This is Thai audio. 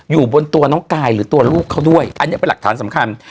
อยู่บนตัวน้องกายหรือตัวลูกเขาด้วยอันนี้เป็นหลักฐานสำคัญ